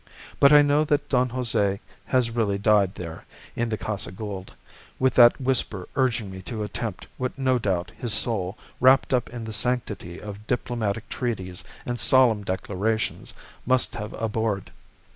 But I know that Don Jose has really died there, in the Casa Gould, with that whisper urging me to attempt what no doubt his soul, wrapped up in the sanctity of diplomatic treaties and solemn declarations, must have abhorred.